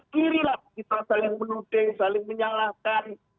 kiri lah kita saling menuding saling menyalahkan